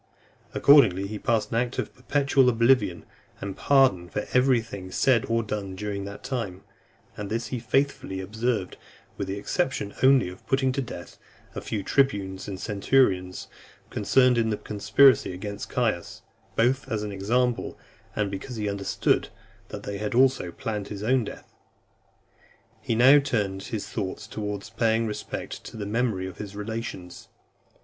Accordingly, he passed an act of perpetual oblivion and pardon for every thing said or done during that time; and this he faithfully observed, with the exception only of putting to death a few tribunes and centurions concerned in the conspiracy against Caius, both as an example, and because he understood that they had also planned his own death. He now turned (303) his thoughts towards paying respect to the memory of his relations.